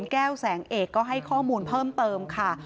แก้วแสงเอกก็ให้ข้อมูลเพิ่มเติมค่ะ